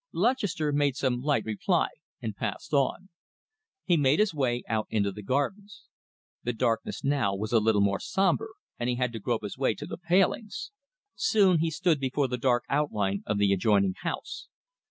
Lutchester made some light reply and passed on. He made his way out into the gardens. The darkness now was a little more sombre, and he had to grope his way to the palings. Soon he stood before the dark outline of the adjoining house.